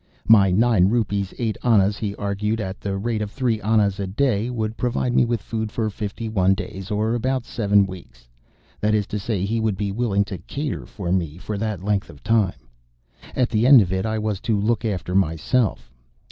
My nine rupees eight annas, he argued, at the rate of three annas a day, would provide me with food for fifty one days, or about seven weeks; that is to say, he would be willing to cater for me for that length of time. At the end of it I was to look after myself.